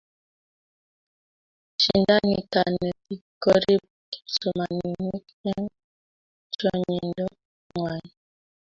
shindani kanetik korip kipsomaninik eng chongindo nguay